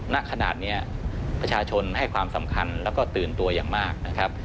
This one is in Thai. ณขนาดนี้ประชาชนให้ความสำคัญแล้วก็ตื่นตัวอย่างมากนะครับ